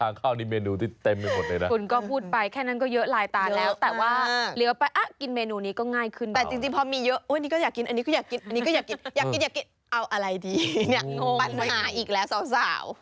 อันนี้ก็อยากกินอยากกินอยากกินเอาอะไรดีเนี่ยปัดหาอีกแล้วสาว